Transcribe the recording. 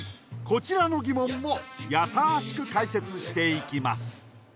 こちらの疑問もやさしく解説していきます